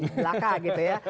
belaka gitu ya